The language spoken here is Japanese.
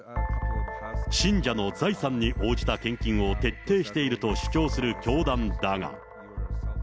信者の財産に応じた献金を徹底していると主張する教団だが。